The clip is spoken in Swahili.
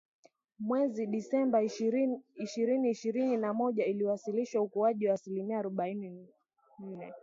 mwezi Disemba ishirini ishirini na moja ikiwasilisha ukuaji wa asilimia arobaini nne